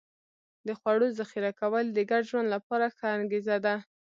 د خوړو ذخیره کول د ګډ ژوند لپاره ښه انګېزه ده.